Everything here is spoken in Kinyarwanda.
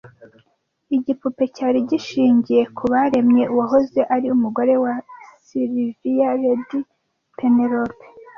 Igipupe cyari gishingiye kubaremye uwahoze ari umugore wa Sylvia Lady Penelope